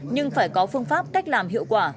nhưng phải có phương pháp cách làm hiệu quả